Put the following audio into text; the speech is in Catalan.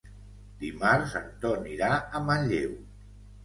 Dimarts en Ton irà a Manlleu.